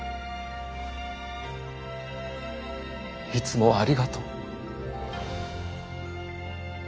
いつもありがとう。